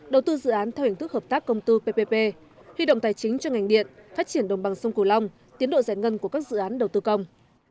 đầu tư dự án theo hình thức hợp tác công tư ppp huy động tài chính cho ngành điện phát triển đồng bằng sông cửu long tiến độ giải ngân của các dự án đầu tư công